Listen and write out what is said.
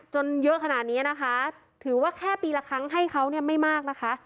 เยอะขนาดนี้นะคะถือว่าแค่ปีละครั้งให้เขาเนี่ยไม่มากนะคะ